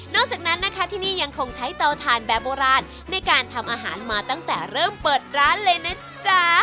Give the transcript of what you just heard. จากนั้นนะคะที่นี่ยังคงใช้เตาถ่านแบบโบราณในการทำอาหารมาตั้งแต่เริ่มเปิดร้านเลยนะจ๊ะ